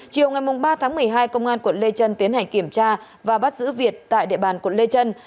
chiều ngày ba tháng một mươi hai công an quận lê trân tiến hành kiểm tra và bắt giữ việt tại địa bàn quận lê trân